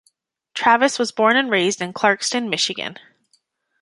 Travis was born and raised in Clarkston, Michigan.